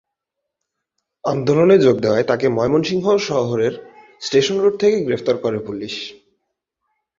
আন্দোলনে যোগ দেওয়ায় তাকে ময়মনসিংহ শহরের স্টেশন রোড থেকে গ্রেফতার করে পুলিশ।